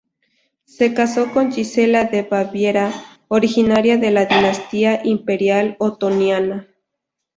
Se casó con Gisela de Baviera, originaria de la dinastía imperial otoniana.